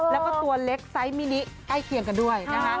แล้วก็ตัวเล็กไซส์มินิใกล้เคียงกันด้วยนะคะ